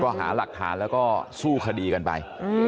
ก็หาหลักฐานแล้วก็สู้คดีกันไป